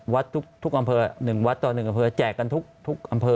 วัดทุกอำเภอ๑วัดต่อ๑อำเภอแจกกันทุกอำเภอ